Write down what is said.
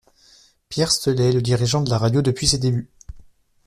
Pierre Steulet est le dirigeant de la radio depuis ses débuts.